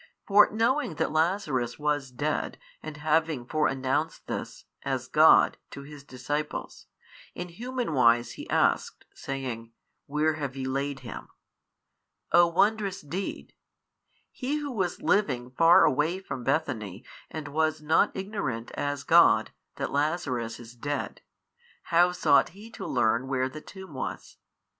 For knowing that Lazarus was dead and having |617 fore announced this, as God, to His disciples, in human wise Ho asked, saying, Where have ye laid him? O wondrous deed! He Who was living far away from Bethany and was not ignorant as God, that Lazarus is dead, how sought He to learn where the tomb was?